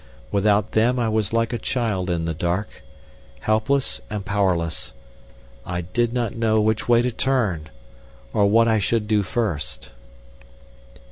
Without them I was like a child in the dark, helpless and powerless. I did not know which way to turn or what I should do first.